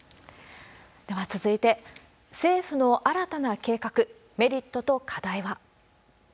では続いて、政府の新たな計画、メリットと課題は。